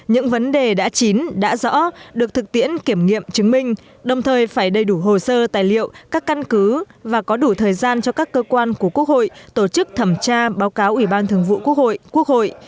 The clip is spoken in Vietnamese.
những vấn đề đã chín đã rõ được thực tiễn kiểm nghiệm chứng minh đồng thời phải đầy đủ hồ sơ tài liệu các căn cứ và có đủ thời gian cho các cơ quan của quốc hội tổ chức thẩm tra báo cáo ủy ban thường vụ quốc hội